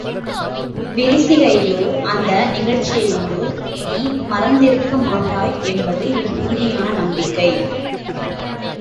விரிசிகையையோ, அந்த நிகழ்ச்சியையோ நீ மறந்திருக்க மாட்டாய் என்பது என் உறுதியான நம்பிக்கை!